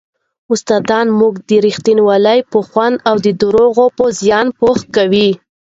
استاد موږ د رښتینولۍ په خوند او د درواغو په زیان پوه کوي.